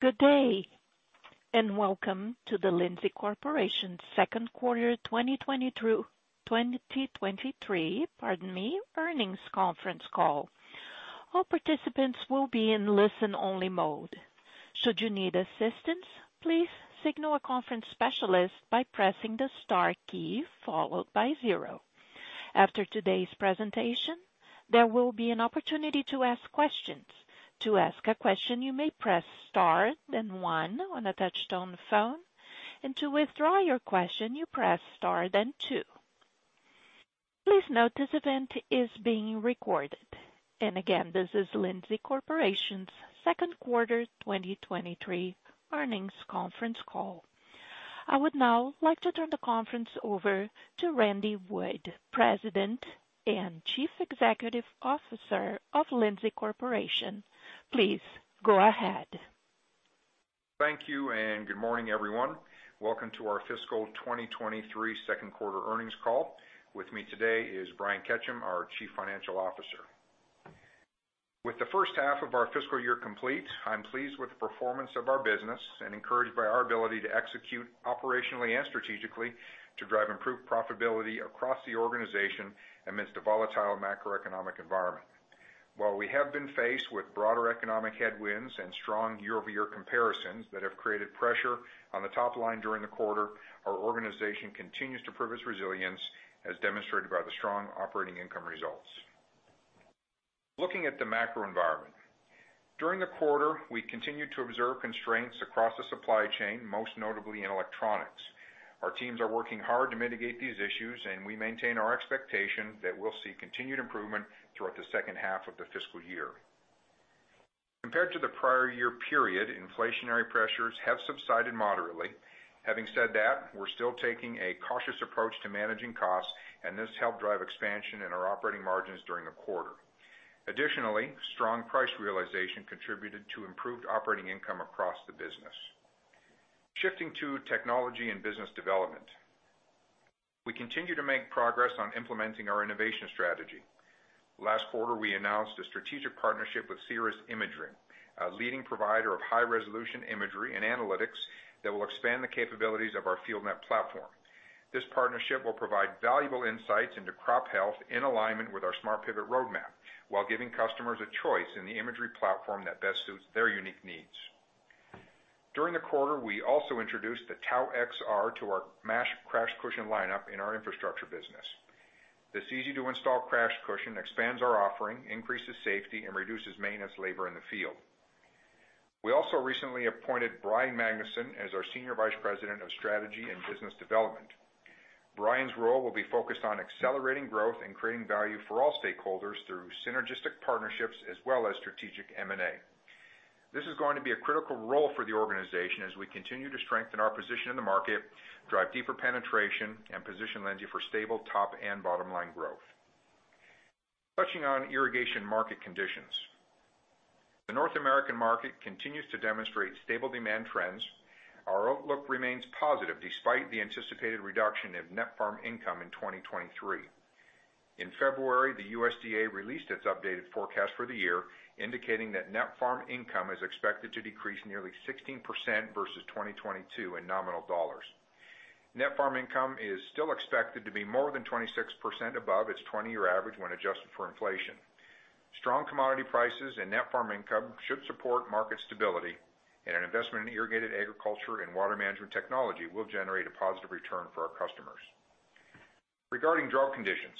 Good day, and welcome to the Lindsay Corporation second quarter 2023, pardon me, earnings conference call. All participants will be in listen-only mode. Should you need assistance, please signal a conference specialist by pressing the star key followed by zero. After today's presentation, there will be an opportunity to ask questions. To ask a question, you may press star then one on a touch-tone phone. To withdraw your question, you press star then two. Please note this event is being recorded. Again, this is Lindsay Corporation's second quarter 2023 earnings conference call. I would now like to turn the conference over to Randy Wood, President and Chief Executive Officer of Lindsay Corporation. Please go ahead. Thank you. Good morning, everyone. Welcome to our fiscal 2023 second quarter earnings call. With me today is Brian Ketcham, our Chief Financial Officer. With the first half of our fiscal year complete, I'm pleased with the performance of our business and encouraged by our ability to execute operationally and strategically to drive improved profitability across the organization amidst a volatile macroeconomic environment. While we have been faced with broader economic headwinds and strong year-over-year comparisons that have created pressure on the top line during the quarter, our organization continues to prove its resilience as demonstrated by the strong operating income results. Looking at the macro environment. During the quarter, we continued to observe constraints across the supply chain, most notably in electronics. Our teams are working hard to mitigate these issues, and we maintain our expectation that we'll see continued improvement throughout the second half of the fiscal year. Compared to the prior year period, inflationary pressures have subsided moderately. Having said that, we're still taking a cautious approach to managing costs, and this helped drive expansion in our operating margins during the quarter. Additionally, strong price realization contributed to improved operating income across the business. Shifting to technology and business development. We continue to make progress on implementing our innovation strategy. Last quarter, we announced a strategic partnership with Ceres Imaging, a leading provider of high-resolution imagery and analytics that will expand the capabilities of our FieldNET platform. This partnership will provide valuable insights into crop health in alignment with our SmartPivot roadmap while giving customers a choice in the imagery platform that best suits their unique needs. During the quarter, we also introduced the TAU-XR to our MASH crash cushion lineup in our infrastructure business. This easy-to-install crash cushion expands our offering, increases safety, and reduces maintenance labor in the field. We also recently appointed Brian Magnusson as our Senior Vice President of Strategy and Business Development. Brian's role will be focused on accelerating growth and creating value for all stakeholders through synergistic partnerships as well as strategic M&A. This is going to be a critical role for the organization as we continue to strengthen our position in the market, drive deeper penetration, and position Lindsay for stable top and bottom line growth. Touching on irrigation market conditions. The North American market continues to demonstrate stable demand trends. Our outlook remains positive despite the anticipated reduction of net farm income in 2023. In February, the USDA released its updated forecast for the year, indicating that net farm income is expected to decrease nearly 16% versus 2022 in nominal dollars. Net farm income is still expected to be more than 26% above its 20-year average when adjusted for inflation. Strong commodity prices and net farm income should support market stability, and an investment in irrigated agriculture and water management technology will generate a positive return for our customers. Regarding drought conditions,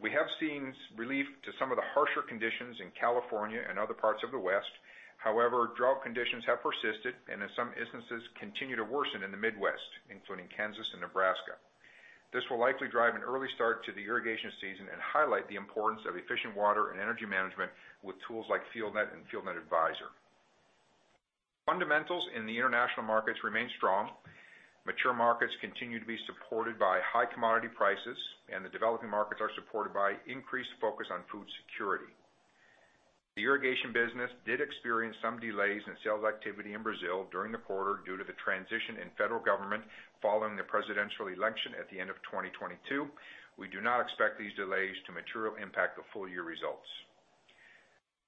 we have seen relief to some of the harsher conditions in California and other parts of the West. However, drought conditions have persisted and, in some instances, continue to worsen in the Midwest, including Kansas and Nebraska. This will likely drive an early start to the irrigation season and highlight the importance of efficient water and energy management with tools like FieldNET and FieldNET Advisor. Fundamentals in the international markets remain strong. Mature markets continue to be supported by high commodity prices. The developing markets are supported by increased focus on food security. The irrigation business did experience some delays in sales activity in Brazil during the quarter due to the transition in federal government following the presidential election at the end of 2022. We do not expect these delays to materially impact the full year results.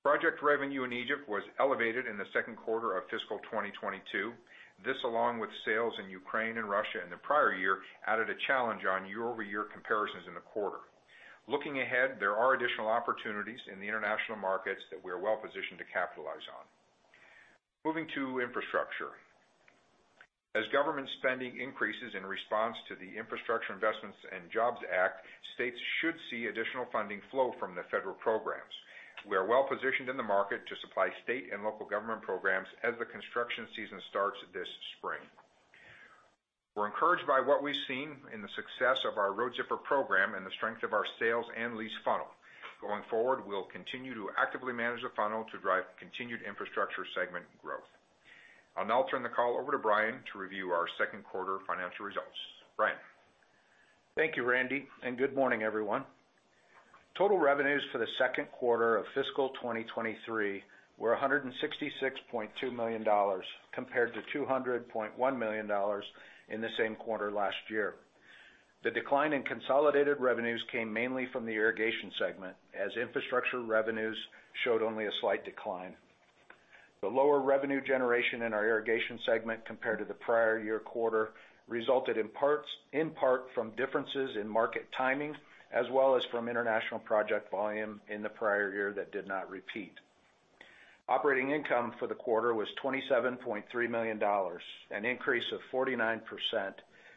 Project revenue in Egypt was elevated in the second quarter of fiscal 2022. This, along with sales in Ukraine and Russia in the prior year, added a challenge on year-over-year comparisons in the quarter. Looking ahead, there are additional opportunities in the international markets that we are well positioned to capitalize on. Moving to infrastructure. As government spending increases in response to the Infrastructure Investment and Jobs Act, states should see additional funding flow from the federal programs. We are well positioned in the market to supply state and local government programs as the construction season starts this spring. We're encouraged by what we've seen in the success of our Road Zipper program and the strength of our sales and lease funnel. Going forward, we'll continue to actively manage the funnel to drive continued infrastructure segment growth. I'll now turn the call over to Brian to review our second quarter financial results. Brian? Thank you, Randy. Good morning, everyone. Total revenues for the second quarter of fiscal 2023 were $166.2 million compared to $200.1 million in the same quarter last year. The decline in consolidated revenues came mainly from the irrigation segment as infrastructure revenues showed only a slight decline. The lower revenue generation in our irrigation segment compared to the prior year quarter resulted in part from differences in market timing as well as from international project volume in the prior year that did not repeat. Operating income for the quarter was $27.3 million, an increase of 49%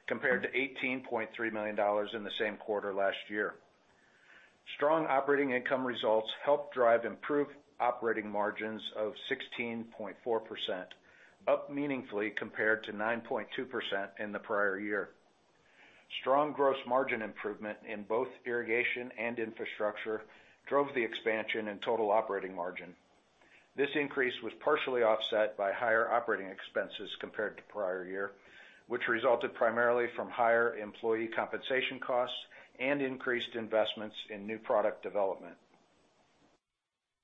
compared to $18.3 million in the same quarter last year. Strong operating income results helped drive improved operating margins of 16.4%, up meaningfully compared to 9.2% in the prior year. Strong gross margin improvement in both irrigation and infrastructure drove the expansion in total operating margin. This increase was partially offset by higher operating expenses compared to prior year, which resulted primarily from higher employee compensation costs and increased investments in new product development.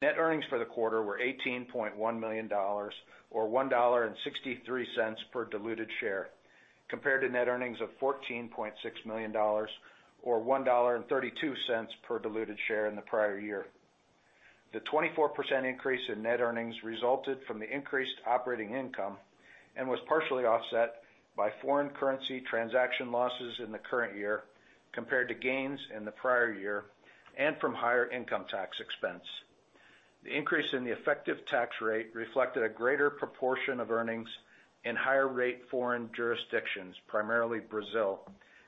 Net earnings for the quarter were $18.1 million or $1.63 per diluted share, compared to net earnings of $14.6 million or $1.32 per diluted share in the prior year. The 24% increase in net earnings resulted from the increased operating income and was partially offset by foreign currency transaction losses in the current year compared to gains in the prior year and from higher income tax expense. The increase in the effective tax rate reflected a greater proportion of earnings in higher rate foreign jurisdictions, primarily Brazil,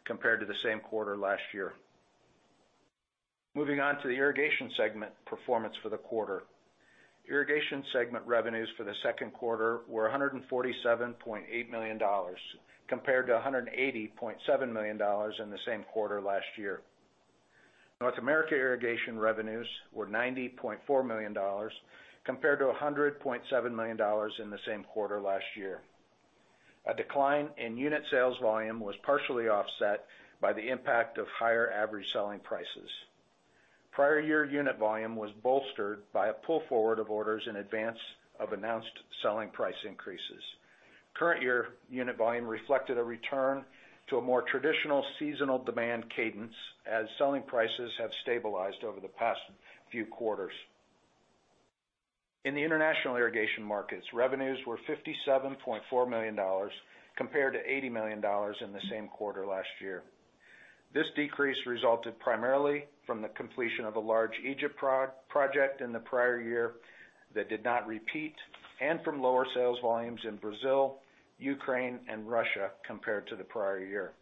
compared to the same quarter last year. Moving on to the irrigation segment performance for the quarter. Irrigation segment revenues for the second quarter were $147.8 million, compared to $180.7 million in the same quarter last year. North America irrigation revenues were $90.4 million compared to $100.7 million in the same quarter last year. A decline in unit sales volume was partially offset by the impact of higher average selling prices. Prior year unit volume was bolstered by a pull forward of orders in advance of announced selling price increases. Current year unit volume reflected a return to a more traditional seasonal demand cadence as selling prices have stabilized over the past few quarters. In the international irrigation markets, revenues were $57.4 million compared to $80 million in the same quarter last year. This decrease resulted primarily from the completion of a large Egypt project in the prior year that did not repeat, and from lower sales volumes in Brazil, Ukraine, and Russia compared to the prior year.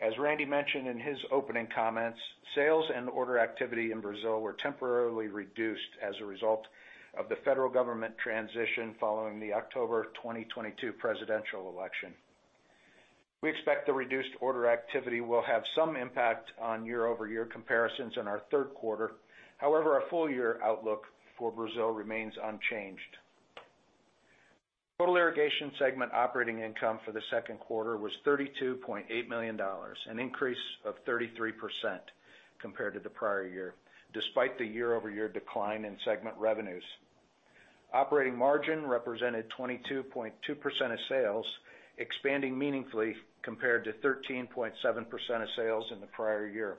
As Randy Wood mentioned in his opening comments, sales and order activity in Brazil were temporarily reduced as a result of the federal government transition following the October 2022 presidential election. We expect the reduced order activity will have some impact on year-over-year comparisons in our third quarter. Our full year outlook for Brazil remains unchanged. Total irrigation segment operating income for the second quarter was $32.8 million, an increase of 33% compared to the prior year, despite the year-over-year decline in segment revenues. Operating margin represented 22.2% of sales, expanding meaningfully compared to 13.7% of sales in the prior year.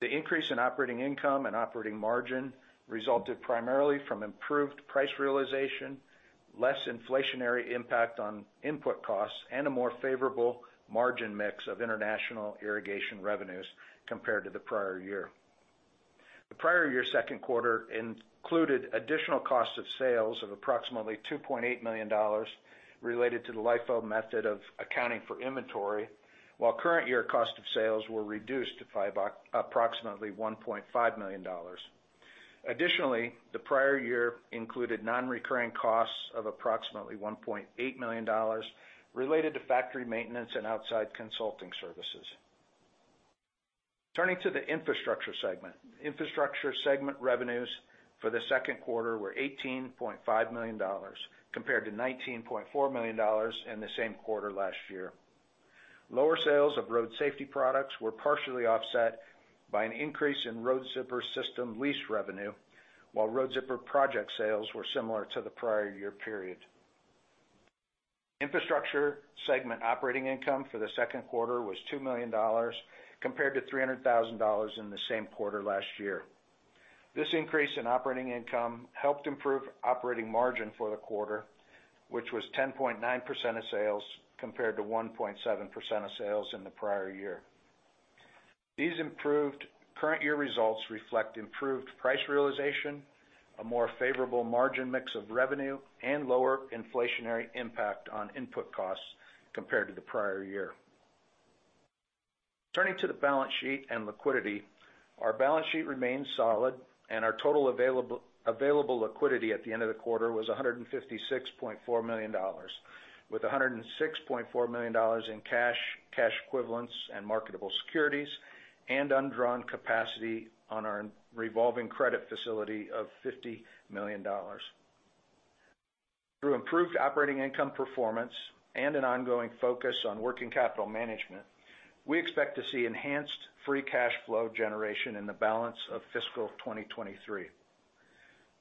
The increase in operating income and operating margin resulted primarily from improved price realization, less inflationary impact on input costs, and a more favorable margin mix of international irrigation revenues compared to the prior year. The prior year second quarter included additional cost of sales of approximately $2.8 million related to the LIFO method of accounting for inventory, while current year cost of sales were reduced to approximately $1.5 million. Additionally, the prior year included non-recurring costs of approximately $1.8 million related to factory maintenance and outside consulting services. Turning to the infrastructure segment. Infrastructure segment revenues for the second quarter were $18.5 million compared to $19.4 million in the same quarter last year. Lower sales of road safety products were partially offset by an increase in Road Zipper system lease revenue, while Road Zipper project sales were similar to the prior year period. Infrastructure segment operating income for the second quarter was $2 million, compared to $300,000 in the same quarter last year. This increase in operating income helped improve operating margin for the quarter, which was 10.9% of sales compared to 1.7% of sales in the prior year. These improved current year results reflect improved price realization, a more favorable margin mix of revenue, and lower inflationary impact on input costs compared to the prior year. Turning to the balance sheet and liquidity. Our balance sheet remains solid and our total available liquidity at the end of the quarter was $156.4 million, with $106.4 million in cash equivalents and marketable securities, and undrawn capacity on our revolving credit facility of $50 million. Through improved operating income performance and an ongoing focus on working capital management, we expect to see enhanced free cash flow generation in the balance of fiscal 2023.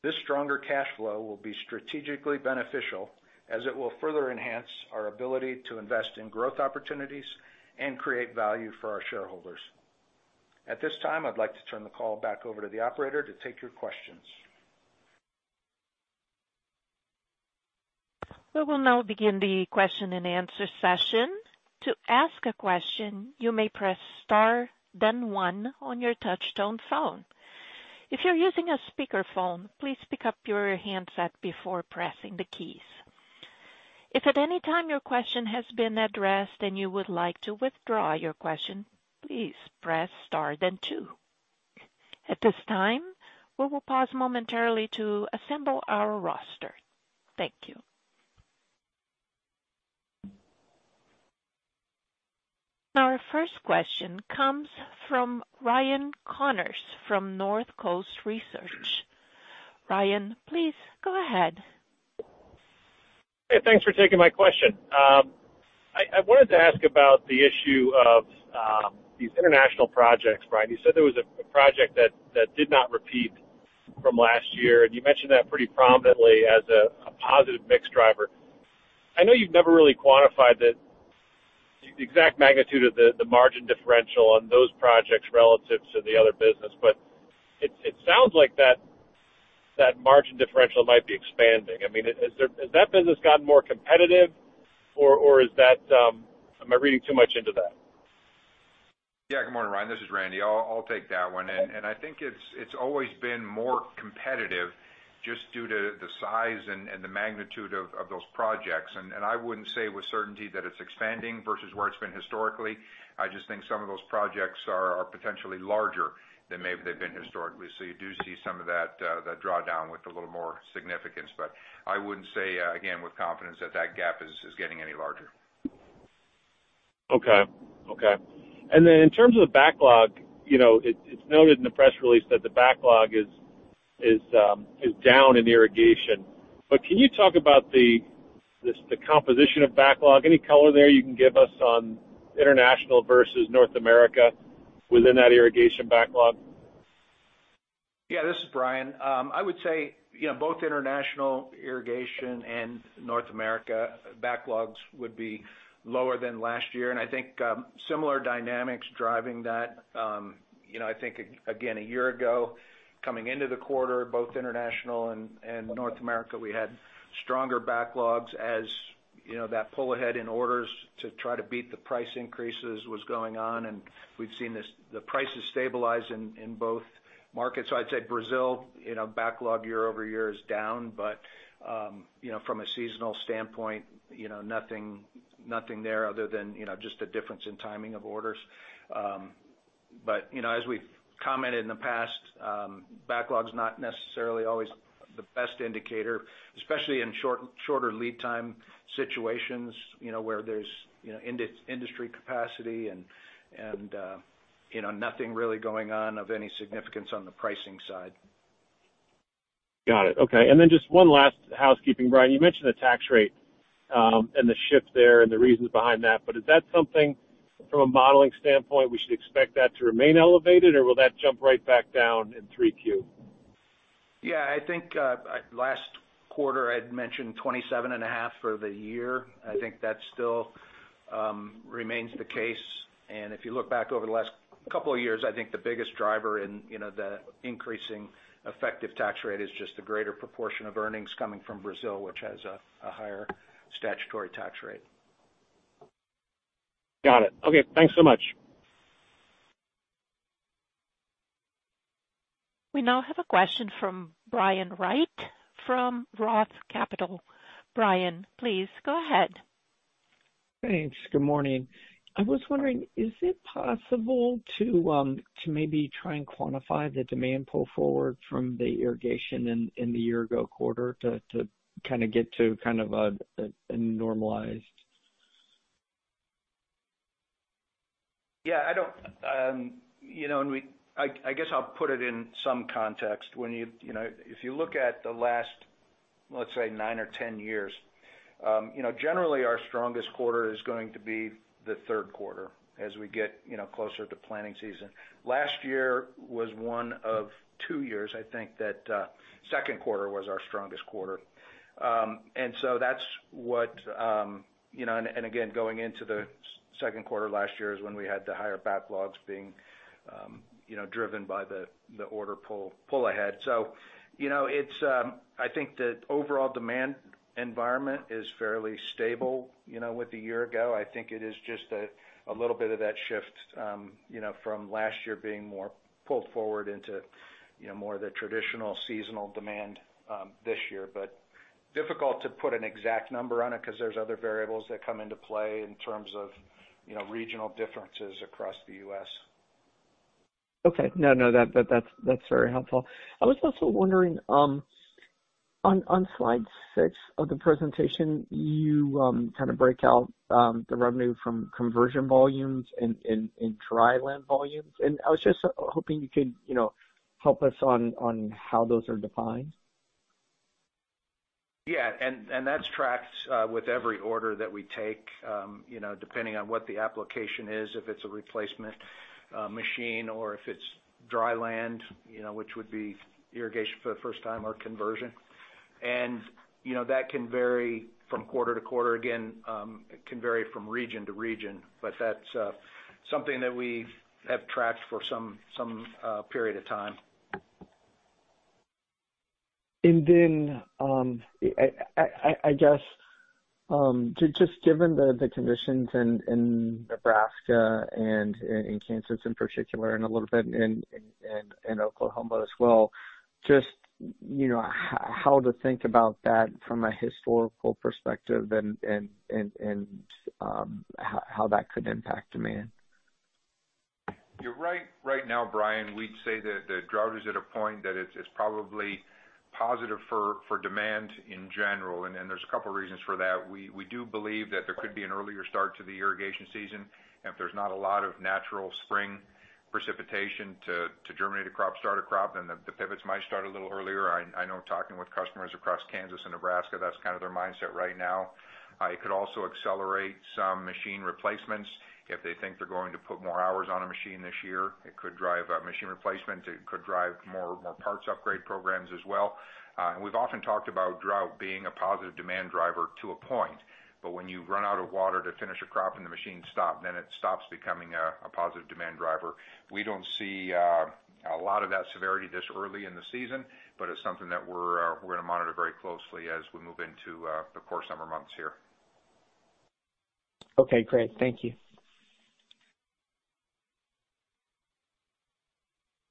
This stronger cash flow will be strategically beneficial as it will further enhance our ability to invest in growth opportunities and create value for our shareholders. At this time, I'd like to turn the call back over to the operator to take your questions. We will now begin the question-and-answer session. To ask a question, you may press star then one on your touchtone phone. If you're using a speakerphone, please pick up your handset before pressing the keys. If at any time your question has been addressed and you would like to withdraw your question, please press star then two. At this time, we will pause momentarily to assemble our roster. Thank you. Our first question comes from Ryan Connors from Northcoast Research. Ryan, please go ahead. Hey, thanks for taking my question. I wanted to ask about the issue of these international projects, Brian. You said there was a project that did not repeat from last year. You mentioned that pretty prominently as a positive mix driver. I know you've never really quantified the exact magnitude of the margin differential on those projects relative to the other business. It sounds like that margin differential might be expanding. I mean, has that business gotten more competitive or is that am I reading too much into that? Yeah. Good morning, Ryan. This is Randy. I'll take that one. I think it's always been more competitive just due to the size and the magnitude of those projects. I wouldn't say with certainty that it's expanding versus where it's been historically. I just think some of those projects are potentially larger than maybe they've been historically. You do see some of that that drawdown with a little more significance. I wouldn't say again, with confidence that that gap is getting any larger. Okay. Then in terms of backlog, you know, it's noted in the press release that the backlog is down in irrigation. Can you talk about the composition of backlog? Any color there you can give us on international versus North America within that irrigation backlog? This is Brian. I would say, you know, both international irrigation and North America backlogs would be lower than last year. I think similar dynamics driving that. You know, I think again, a year ago, coming into the quarter, both international and North America, we had stronger backlogs as, you know, that pull ahead in orders to try to beat the price increases was going on, and we've seen the prices stabilize in both markets. I'd say Brazil, you know, backlog year-over-year is down. You know, from a seasonal standpoint, you know, nothing there other than, you know, just a difference in timing of orders. You know, as we've commented in the past, backlog's not necessarily always the best indicator, especially in shorter lead time situations, you know, where there's, you know, industry capacity and, you know, nothing really going on of any significance on the pricing side. Got it. Okay. Just one last housekeeping. Brian, you mentioned the tax rate, and the shift there and the reasons behind that, but is that something from a modeling standpoint we should expect that to remain elevated, or will that jump right back down in 3Q? Yeah. I think, last quarter, I'd mentioned twenty-seven and a half for the year. I think that still remains the case. If you look back over the last couple of years, I think the biggest driver in, you know, the increasing effective tax rate is just the greater proportion of earnings coming from Brazil, which has a higher statutory tax rate. Got it. Okay. Thanks so much. We now have a question from Brian Wright from Roth Capital. Brian, please go ahead. Thanks. Good morning. I was wondering, is it possible to maybe try and quantify the demand pull forward from the irrigation in the year ago quarter to kinda get to kind of a normalized? Yeah. I don't, you know, I guess I'll put it in some context. When you know, if you look at the last, let's say, nine years or 10 years, you know, generally our strongest quarter is going to be the third quarter as we get, you know, closer to planting season. Last year was one of two years, I think, that second quarter was our strongest quarter. And so that's what, you know, and again, going into the second quarter last year is when we had the higher backlogs being, you know, driven by the order pull ahead. You know, it's, I think the overall demand environment is fairly stable, you know, with the year ago. I think it is just a little bit of that shift, you know, from last year being more pulled forward into, you know, more of the traditional seasonal demand, this year. Difficult to put an exact number on it 'cause there's other variables that come into play in terms of, you know, regional differences across the U.S. Okay. No, that's very helpful. I was also wondering, on slide six of the presentation, you kind of break out the revenue from conversion volumes and dry land volumes. I was just hoping you could, you know, help us on how those are defined. Yeah, and that's tracked with every order that we take, you know, depending on what the application is, if it's a replacement, machine or if it's dry land, you know, which would be irrigation for the first time or conversion. You know, that can vary from quarter to quarter. Again, it can vary from region to region. That's something that we have tracked for some period of time. I guess, just given the conditions in Nebraska and in Kansas in particular and a little bit in Oklahoma as well, just, you know, how to think about that from a historical perspective and how that could impact demand. You're right. Right now, Brian, we'd say that the drought is at a point that it's probably positive for demand in general. There's a couple reasons for that. We do believe that there could be an earlier start to the irrigation season. If there's not a lot of natural spring precipitation to germinate a crop, start a crop, then the pivots might start a little earlier. I know talking with customers across Kansas and Nebraska, that's kind of their mindset right now. It could also accelerate some machine replacements. If they think they're going to put more hours on a machine this year, it could drive a machine replacement. It could drive more parts upgrade programs as well. We've often talked about drought being a positive demand driver to a point, but when you run out of water to finish a crop and the machines stop, then it stops becoming a positive demand driver. We don't see a lot of that severity this early in the season, but it's something that we're gonna monitor very closely as we move into the core summer months here. Okay, great. Thank you.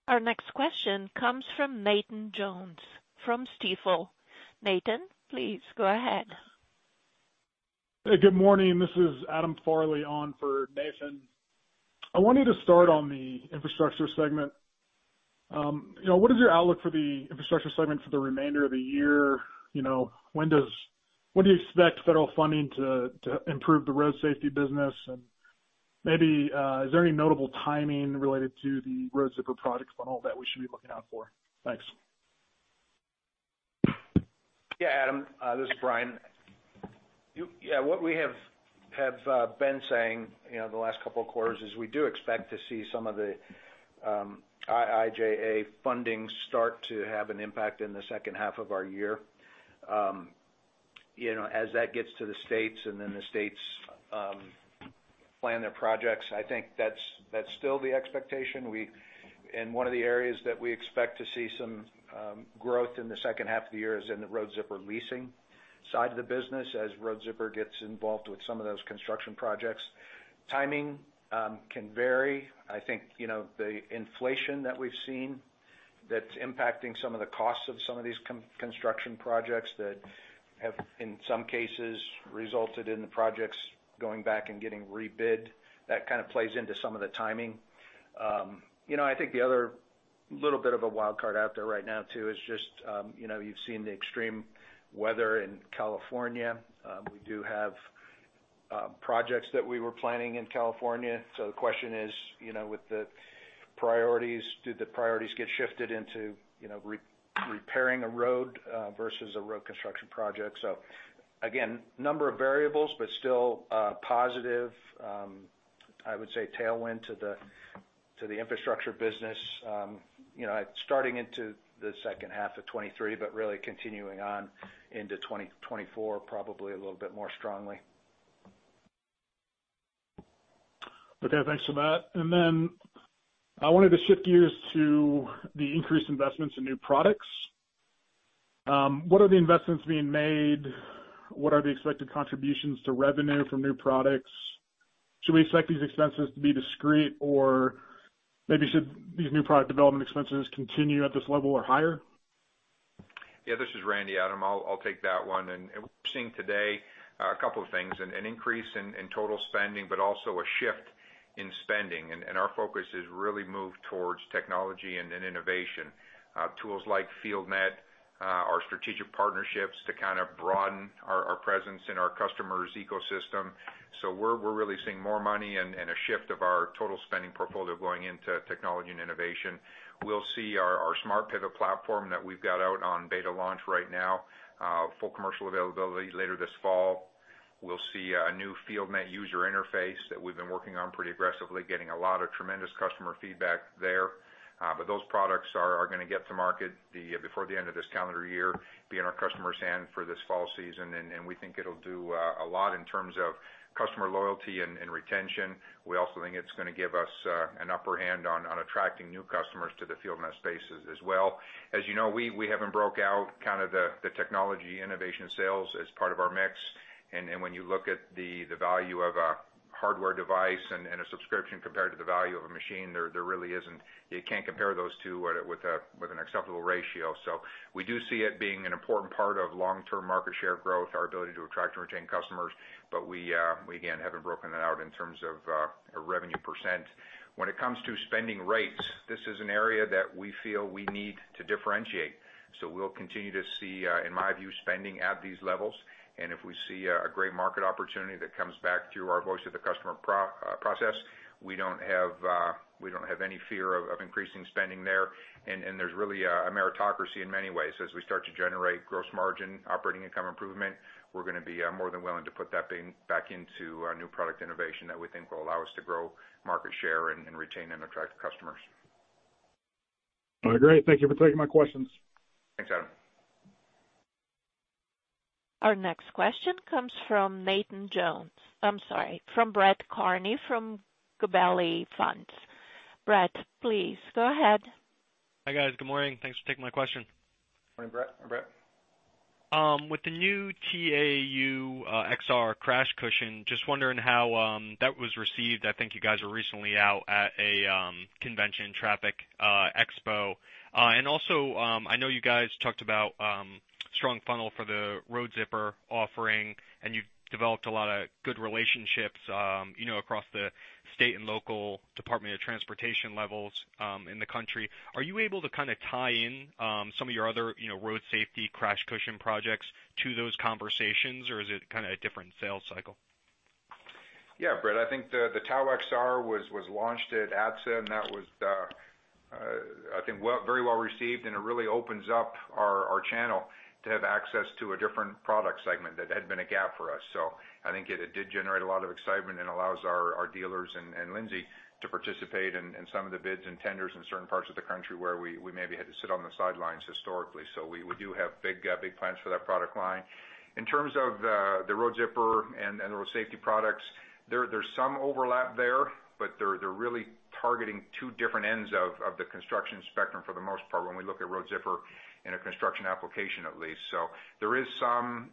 Our next question comes from Nathan Jones from Stifel. Nathan, please go ahead. Hey, good morning. This is Adam Farley on for Nathan. I want you to start on the infrastructure segment. You know, what is your outlook for the infrastructure segment for the remainder of the year? You know, when do you expect federal funding to improve the road safety business? Maybe, is there any notable timing related to the Road Zipper product funnel that we should be looking out for? Thanks. Yeah, Adam, this is Brian. You know, what we have been saying, you know, the last couple of quarters is we do expect to see some of the IIJA funding start to have an impact in the second half of our year. You know, as that gets to the states and then the states plan their projects. I think that's still the expectation. One of the areas that we expect to see some growth in the second half of the year is in the Road Zipper leasing side of the business as Road Zipper gets involved with some of those construction projects. Timing can vary. I think, you know, the inflation that we've seen that's impacting some of the costs of some of these construction projects that have, in some cases, resulted in the projects going back and getting rebid. That kind of plays into some of the timing. You know, I think the other little bit of a wild card out there right now, too, is just, you know, you've seen the extreme weather in California. We do have projects that we were planning in California. The question is, you know, with the priorities, do the priorities get shifted into, you know, repairing a road, versus a road construction project? Number of variables, but still a positive, I would say, tailwind to the, to the infrastructure business, you know, starting into the second half of 2023, but really continuing on into 2024, probably a little bit more strongly. Okay, thanks for that. I wanted to shift gears to the increased investments in new products. What are the investments being made? What are the expected contributions to revenue from new products? Should we expect these expenses to be discrete, or maybe should these new product development expenses continue at this level or higher? Yeah, this is Randy, Adam. I'll take that one. We're seeing today a couple of things, an increase in total spending, but also a shift in spending. Our focus has really moved towards technology and innovation. Tools like FieldNET, our strategic partnerships to kind of broaden our presence in our customer's ecosystem. We're really seeing more money and a shift of our total spending portfolio going into technology and innovation. We'll see our SmartPivot platform that we've got out on beta launch right now, full commercial availability later this fall. We'll see a new FieldNET user interface that we've been working on pretty aggressively, getting a lot of tremendous customer feedback there. But those products are gonna get to market before the end of this calendar year, be in our customer's hand for this fall season. We think it'll do a lot in terms of customer loyalty and retention. We also think it's gonna give us an upper hand on attracting new customers to the FieldNET spaces as well. As you know, we haven't broke out kind of the technology innovation sales as part of our mix. When you look at the value of a hardware device and a subscription compared to the value of a machine, there really isn't. You can't compare those two with an acceptable ratio. We do see it being an important part of long-term market share growth, our ability to attract and retain customers, but we again, haven't broken it out in terms of a revenue %. When it comes to spending rates, this is an area that we feel we need to differentiate. We'll continue to see, in my view, spending at these levels. If we see a great market opportunity that comes back through our voice of the customer pro process, we don't have any fear of increasing spending there. There's really a meritocracy in many ways. As we start to generate gross margin operating income improvement, we're gonna be more than willing to put that thing back into our new product innovation that we think will allow us to grow market share and retain and attract customers. All right, great. Thank you for taking my questions. Thanks, Adam. Our next question comes from Nathan Jones. I'm sorry, from Brett Kearney from Gabelli Funds. Brett, please go ahead. Hi, guys. Good morning. Thanks for taking my question. Morning, Brett. With the new TAU-XR crash cushion, just wondering how that was received. I think you guys were recently out at a convention traffic expo. Also, I know you guys talked about strong funnel for the Road Zipper offering, and you've developed a lot of good relationships, you know, across the state and local department of transportation levels in the country. Are you able to kinda tie in some of your other, you know, road safety crash cushion projects to those conversations, or is it kinda a different sales cycle? Yeah, Brett. I think the TAU-XR was launched at ATSSA, and that was I think very well received, and it really opens up our channel to have access to a different product segment that had been a gap for us. I think it did generate a lot of excitement and allows our dealers and Lindsay to participate in some of the bids and tenders in certain parts of the country where we maybe had to sit on the sidelines historically. We do have big plans for that product line. In terms of the Road Zipper and road safety products, there's some overlap there, but they're really targeting two different ends of the construction spectrum for the most part when we look at Road Zipper in a construction application at least. There is some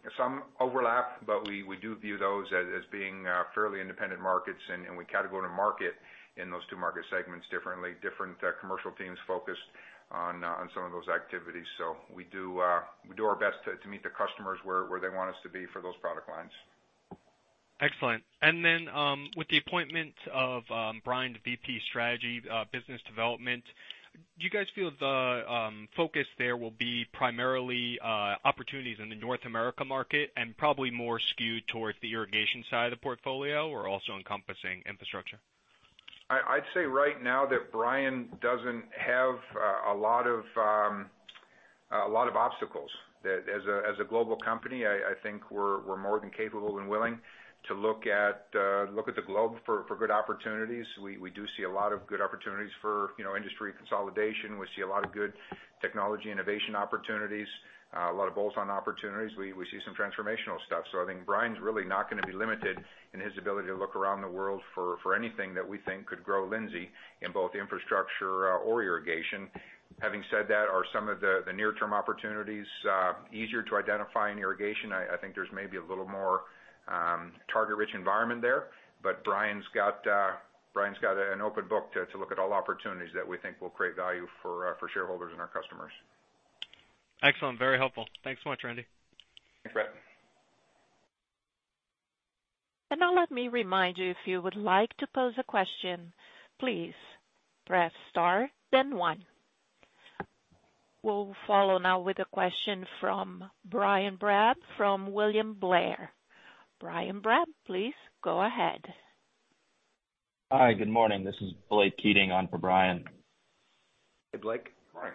overlap, but we do view those as being fairly independent markets, and we category to market in those two market segments differently. Different commercial teams focused on some of those activities. We do our best to meet the customers where they want us to be for those product lines. Excellent. With the appointment of Brian to VP Strategy, Business Development, do you guys feel the focus there will be primarily opportunities in the North America market and probably more skewed towards the irrigation side of the portfolio or also encompassing infrastructure? I'd say right now that Brian doesn't have a lot of obstacles. As a global company, I think we're more than capable and willing to look at the globe for good opportunities. We do see a lot of good opportunities for, you know, industry consolidation. We see a lot of good technology innovation opportunities, a lot of bolt-on opportunities. We see some transformational stuff. I think Brian's really not gonna be limited in his ability to look around the world for anything that we think could grow Lindsay in both infrastructure or irrigation. Having said that, are some of the near term opportunities easier to identify in irrigation? I think there's maybe a little more target-rich environment there. Brian's got an open book to look at all opportunities that we think will create value for shareholders and our customers. Excellent. Very helpful. Thanks so much, Randy. Thanks, Brett. Now let me remind you, if you would like to pose a question, please press star then one. We'll follow now with a question from Brian Drab from William Blair. Brian Drab, please go ahead. Hi, good morning. This is Blake Keating on for Brian. Hey, Blake. Morning.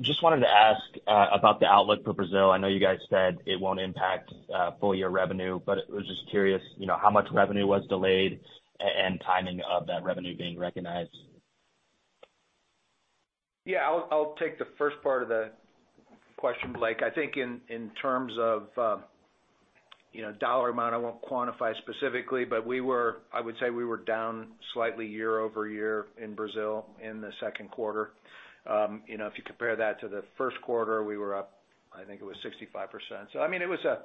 Just wanted to ask about the outlook for Brazil. I know you guys said it won't impact full year revenue, but was just curious, you know, how much revenue was delayed and timing of that revenue being recognized? Yeah, I'll take the first part of the question, Blake. I think in terms of, you know, dollar amount, I won't quantify specifically, but I would say we were down slightly year-over-year in Brazil in the second quarter. You know, if you compare that to the first quarter, we were up, I think it was 65%. I mean, it was a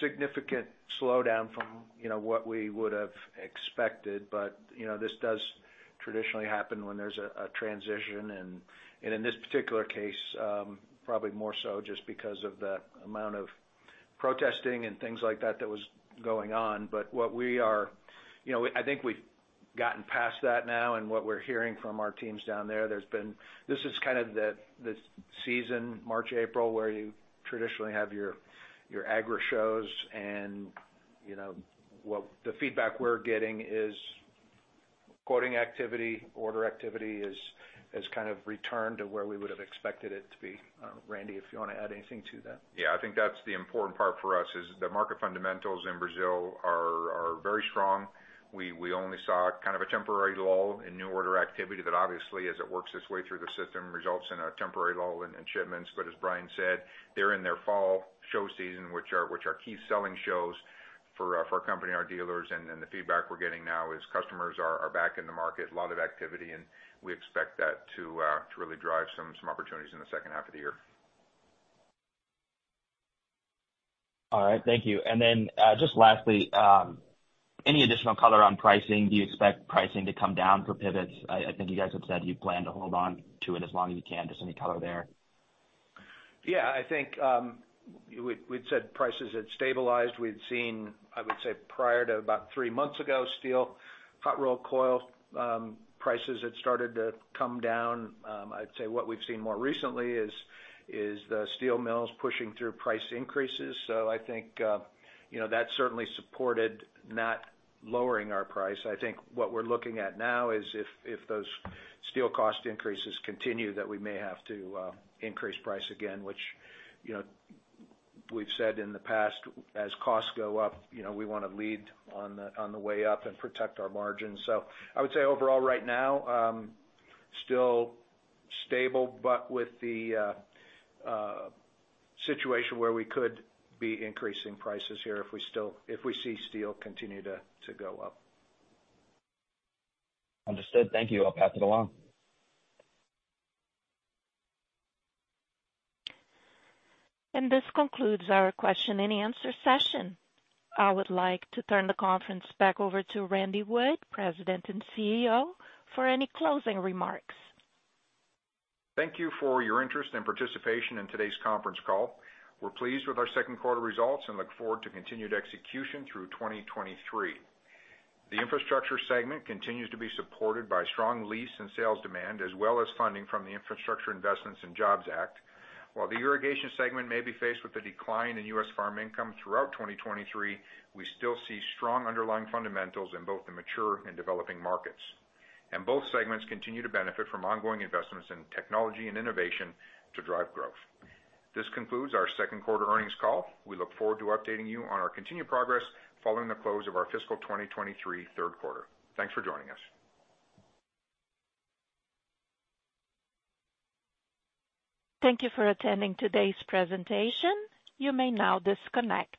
significant slowdown from, you know, what we would have expected, but, you know, this does traditionally happen when there's a transition. In this particular case, probably more so just because of the amount of protesting and things like that that was going on. What we are... You know, I think we've gotten past that now and what we're hearing from our teams down there's been... This is kind of the season March, April, where you traditionally have your agri shows. you know, the feedback we're getting is quoting activity, order activity has kind of returned to where we would have expected it to be. Randy, if you wanna add anything to that. Yeah. I think that's the important part for us is the market fundamentals in Brazil are very strong. We only saw kind of a temporary lull in new order activity that obviously, as it works its way through the system, results in a temporary lull in shipments. As Brian said, they're in their fall show season, which are key selling shows for our company and our dealers. The feedback we're getting now is customers are back in the market, a lot of activity, and we expect that to really drive some opportunities in the second half of the year. All right. Thank you. Just lastly, any additional color on pricing? Do you expect pricing to come down for pivots? I think you guys have said you plan to hold on to it as long as you can. Just any color there? Yeah. I think, we'd said prices had stabilized. We'd seen, I would say, prior to about three months ago, steel hot rolled coil, prices had started to come down. I'd say what we've seen more recently is the steel mills pushing through price increases. I think, you know, that certainly supported not lowering our price. I think what we're looking at now is if those steel cost increases continue, that we may have to, increase price again, which, you know, we've said in the past as costs go up, you know, we wanna lead on the way up and protect our margins. I would say overall right now, still stable, but with the situation where we could be increasing prices here if we see steel continue to go up. Understood. Thank you. I'll pass it along. This concludes our question and answer session. I would like to turn the conference back over to Randy Wood, President and CEO, for any closing remarks. Thank you for your interest and participation in today's conference call. We're pleased with our second quarter results and look forward to continued execution through 2023. The infrastructure segment continues to be supported by strong lease and sales demand as well as funding from the Infrastructure Investment and Jobs Act. While the irrigation segment may be faced with a decline in U.S. farm income throughout 2023, we still see strong underlying fundamentals in both the mature and developing markets. Both segments continue to benefit from ongoing investments in technology and innovation to drive growth. This concludes our second quarter earnings call. We look forward to updating you on our continued progress following the close of our fiscal 2023 third quarter. Thanks for joining us. Thank you for attending today's presentation. You may now disconnect.